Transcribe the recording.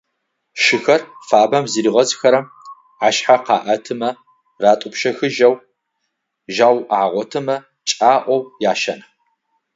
Шыхэр фабэм зыригъэзхэрэм, ашъхьэ къаӏэтымэ ратӏупщэхыжьэу, жьау агъотымэ чӏаӏоу яшэн.